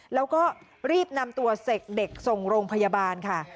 แล้วก็รีบนำตัวเสกเด็กส่งโรงพยาบาลค่ะ